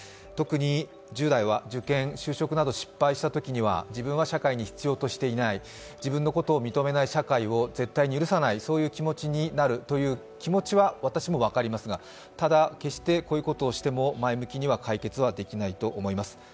特に、１０代は受験・就職など失敗したときは自分は社会に必要とされていない、自分のことを認めない社会を絶対に許さないというそういう気持ちになるという気持ちは、私にも分かりますがただ決してこういうことをしても前向きには解決できないと思います。